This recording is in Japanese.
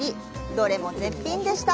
どれも絶品でした。